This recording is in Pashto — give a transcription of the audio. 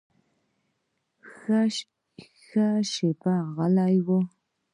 ښه شېبه غلی و.